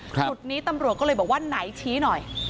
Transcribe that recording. จุดนี้ตำรวจก็เลยบอกว่าไหนชี้หน่อย